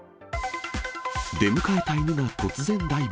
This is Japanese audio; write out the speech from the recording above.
出迎えた犬が突然ダイブ。